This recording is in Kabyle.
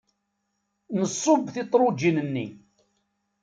Nṣubb tiṭṛujin-nni.